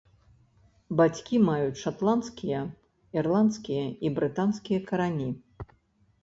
Бацькі маюць шатландскія, ірландскія і брытанскія карані.